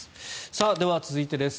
では、続いてです。